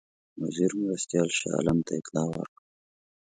وزیر مرستیال شاه عالم ته اطلاع ورکړه.